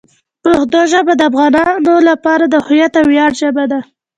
پښتو ژبه د افغانانو لپاره د هویت او ویاړ ژبه ده.